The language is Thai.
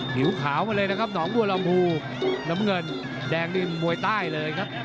ผิวขาวมาเลยนะครับหนองบัวลำพูน้ำเงินแดงนี่มวยใต้เลยครับ